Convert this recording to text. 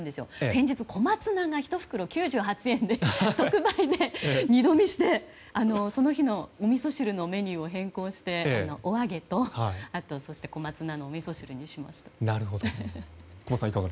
先日、小松菜が１袋９８円で特売で二度見しその日のおみそ汁のメニューを変更して、お揚げと小松菜のおみそ汁にしました。